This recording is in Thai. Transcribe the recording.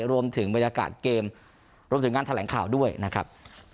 รวมถึงบรรยากาศเกมรวมถึงงานแถลงข่าวด้วยนะครับ